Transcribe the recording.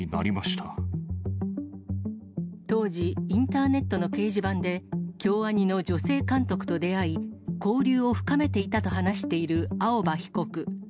当時、インターネットの掲示板で、京アニの女性監督と出会い、交流を深めていたと話している青葉被告。